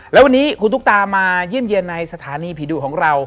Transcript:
แล้ววันนี้คุณตุ๊กตามาเยี่ยมเยี่ยมในสถานีผีดุของเรา